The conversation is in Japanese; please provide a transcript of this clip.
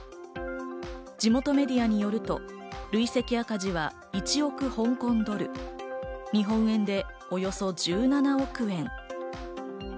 地元メディアによると、累積赤字は１億香港ドル、日本円でおよそ１７億円。